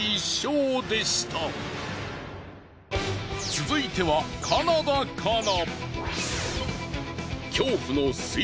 続いてはカナダから。